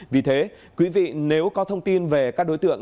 vì thế quý vị nếu có thông tin về các đối tượng